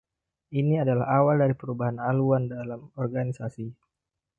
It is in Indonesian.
Ini adalah awal dari perubahan haluan dalam organisasi.